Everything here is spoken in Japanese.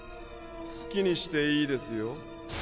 好きにしていいですよ。